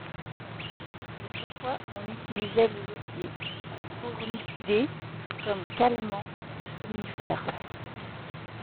Autrefois, on utilisait le lotier corniculé comme calmant ou somnifère.